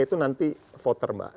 yang berharga itu nanti akan dipilih